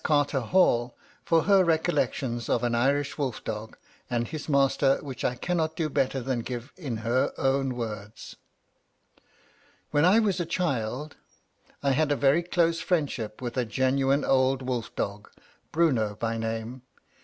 Carter Hall, for her recollections of an Irish wolf dog and his master, which I cannot do better than give in her own words: "When I was a child, I had a very close friendship with a genuine old wolf dog, Bruno by name.